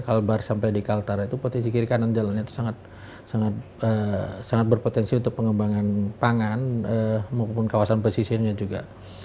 kalbar sampai di kaltara itu potensi kiri kanan jalannya itu sangat berpotensi untuk pengembangan pangan maupun kawasan pesisirnya juga